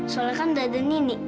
soalnya kan udah ada nini